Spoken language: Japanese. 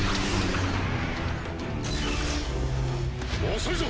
遅いぞ！